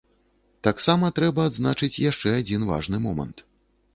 Таксама трэба адзначыць яшчэ адзін важны момант.